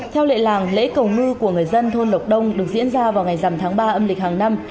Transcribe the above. theo lệ làng lễ cầu ngư của người dân thôn lộc đông được diễn ra vào ngày dằm tháng ba âm lịch hàng năm